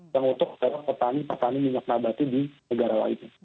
yang untuk petani minyak nabati di negara lain